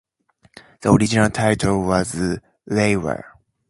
The original title was "Reiwa".